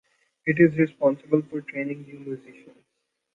It is responsible for training new musicians.